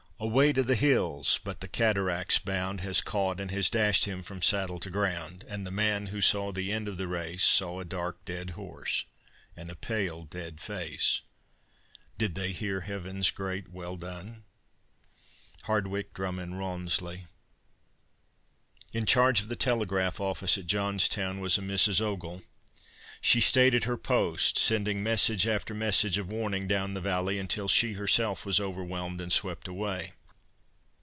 "Away to the hills!" but the cataract's bound Has caught and has dashed him from saddle to ground, And the man who saw the end of the race, Saw a dark, dead horse, and a pale dead face, Did they hear Heaven's great "Well done"? HARDWICK DRUMMOND RAWNSLEY. In charge of the telegraph office at Johnstown was a Mrs. Ogle. She stayed at her post, sending message after message of warning down the valley until she herself was overwhelmed and swept away.